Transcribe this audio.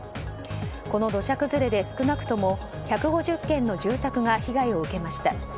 この土砂崩れで少なくとも１５０軒の住宅が被害を受けました。